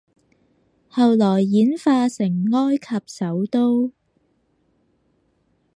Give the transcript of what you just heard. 後來演化成埃及首都